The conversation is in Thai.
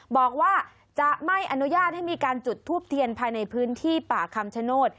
บอกว่าจะไม่อนุญาตให้มีการจุดทูปเทียนภายในพื้นที่ป่าคำชโนธ